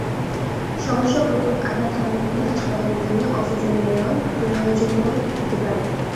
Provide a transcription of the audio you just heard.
সমস্যা প্রকট আকার ধারণ করলে হাসপাতালে গিয়ে অক্সিজেন নেওয়ার প্রয়োজনও হতে পারে।